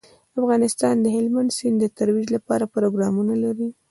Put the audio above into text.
افغانستان د هلمند سیند د ترویج لپاره پروګرامونه لري.